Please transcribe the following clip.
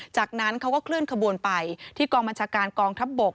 จากนั้นเขาก็เคลื่อนขบวนไปที่กองบัญชาการกองทัพบก